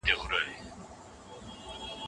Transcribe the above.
موږ باید د طبیعي پیښو مخنیوي ته پوره چمتو واوسو.